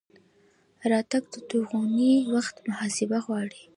راکټ د توغونې وخت محاسبه غواړي